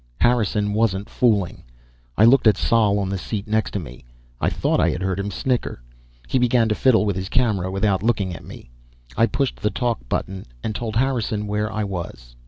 _" Harrison wasn't fooling. I looked at Sol, on the seat next to me; I thought I had heard him snicker. He began to fiddle with his camera without looking at me. I pushed the "talk" button and told Harrison where I was.